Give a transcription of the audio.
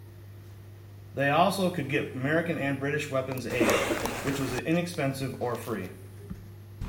They also could get American and British weapons aid, which was inexpensive or free.